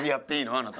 あなた。